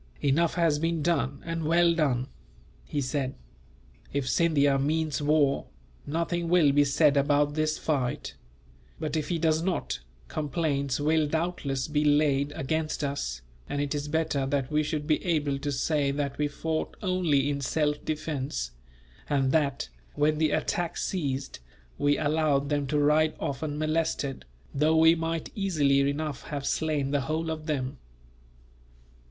"Enough has been done, and well done," he said. "If Scindia means war, nothing will be said about this fight; but if he does not, complaints will doubtless be laid against us, and it is better that we should be able to say that we fought only in self defence; and that, when the attack ceased, we allowed them to ride off unmolested, though we might easily enough have slain the whole of them."